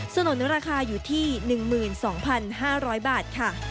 นุนราคาอยู่ที่๑๒๕๐๐บาทค่ะ